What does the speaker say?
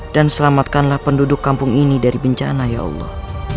dan selamatkanlah penduduk kampung ini dari bencana ya allah